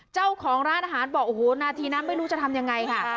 เจ้าของร้านอาหารบอกโอ้โหนาทีนั้นไม่รู้จะทำยังไงค่ะ